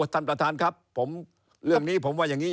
ท่านประธานครับผมเรื่องนี้ผมว่าอย่างนี้